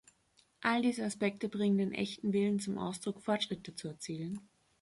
All diese Aspekte bringen den echten Willen zum Ausdruck, Fortschritte zu erzielen.